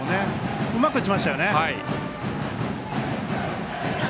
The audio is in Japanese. うまく打ちましたよね。